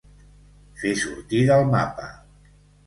Fer sortir del mapa.